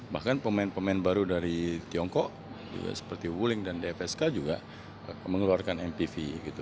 bahkan pemain pemain baru dari tiongkok seperti wuling dan dfsk juga mengeluarkan mpv gitu